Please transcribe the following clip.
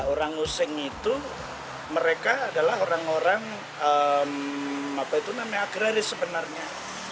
orang useng itu mereka adalah orang orang agraris sebenarnya